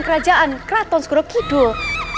kerajaan kratons goro kidul